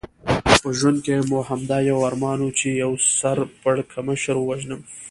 په ژوند کې مې همدا یو ارمان و، چې یو سر پړکمشر ووژنم.